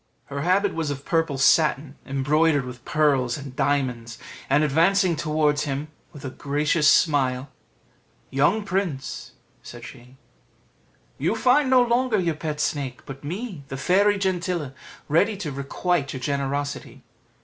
Her habit was of purple satin, embroidered with pearls and diamonds; and advancing towards him with a gracious smile "Young prince," said she, "you find no longer your pet snake, but me, the Fairy Gentilla, ready to requite your generosity.